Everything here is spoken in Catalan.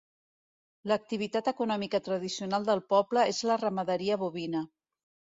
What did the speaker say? L'activitat econòmica tradicional del poble és la ramaderia bovina.